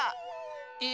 え？